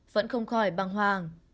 vẫn không khỏi băng hoàng